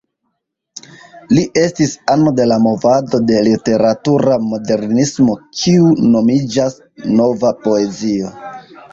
Li estis ano de la movado de literatura modernismo kiu nomiĝas "Nova Poezio".